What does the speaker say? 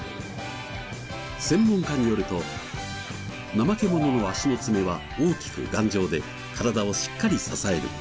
専門家によるとナマケモノの足の爪は大きく頑丈で体をしっかり支える。